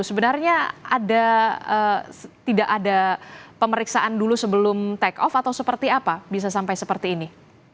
sebenarnya tidak ada pemeriksaan dulu sebelum take off atau seperti apa bisa sampai seperti ini